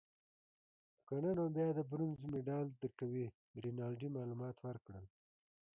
که نه نو بیا د برونزو مډال درکوي. رینالډي معلومات ورکړل.